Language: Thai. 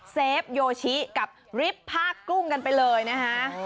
เฟฟโยชิกับริปผ้ากุ้งกันไปเลยนะคะ